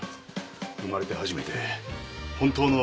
生まれて初めて本当の愛。